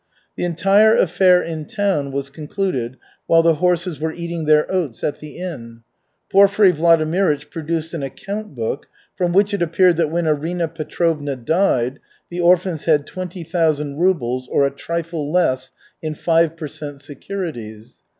The entire affair in town was concluded while the horses were eating their oats at the inn. Porfiry Vladimirych produced an account book, from which it appeared that when Arina Petrovna died the orphans had twenty thousand rubles or a trifle less in five per cent securities.